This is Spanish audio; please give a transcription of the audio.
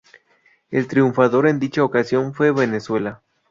El triunfador en dicha ocasión fue Venezuela.